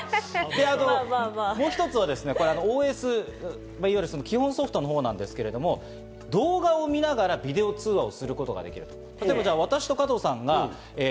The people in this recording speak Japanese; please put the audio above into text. もう一つは、ＯＳ、いわゆる基本ソフトのほうなんですけど、動画を見ながらビデオ通話をすることができる。